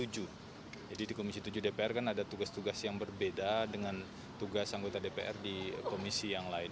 jadi di komisi tujuh dpr kan ada tugas tugas yang berbeda dengan tugas anggota dpr di komisi yang lain